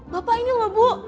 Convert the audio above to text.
bapak ini loh bu